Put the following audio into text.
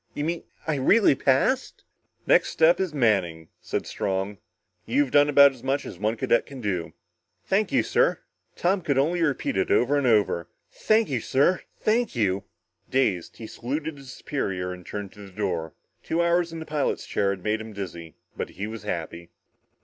You mean I really passed?" "Next step is Manning," said Strong. "You've done as much as one cadet can do." "Thank you, sir" Tom could only repeat it over and over "thank you, sir thank you." Dazed, he saluted his superior and turned to the door. Two hours in the pilot's chair had made him dizzy. But he was happy.